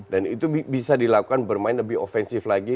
dan itu bisa dilakukan bermain lebih ofensif lagi